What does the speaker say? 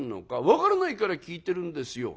「分からないから聞いてるんですよ」。